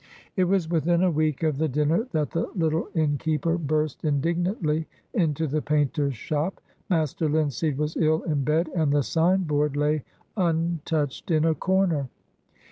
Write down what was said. It was within a week of the dinner that the little innkeeper burst indignantly into the painter's shop. Master Linseed was ill in bed, and the sign board lay untouched in a corner.